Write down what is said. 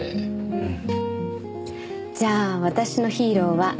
うん。